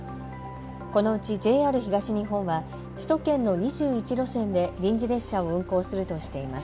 このうちＪＲ東日本は首都圏の２１路線で臨時列車を運行するとしています。